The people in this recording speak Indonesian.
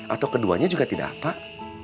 atau keduanya juga tidak apa